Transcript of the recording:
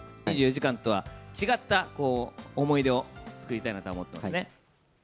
２４時間とは違った思い出を作りたいなとは思っていますね。